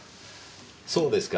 そうですか。